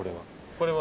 これは。